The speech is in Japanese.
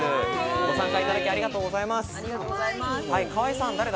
ご参加いただきありがとうございます。